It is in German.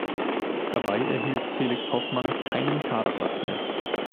Dabei erhielt Felix Hoffmann keinen Kaderplatz mehr.